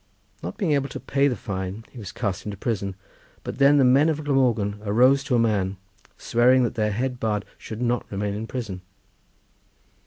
Not being able to pay the fine he was cast into prison; but then the men of Glamorgan arose to a man, swearing that their head bard should not remain in prison.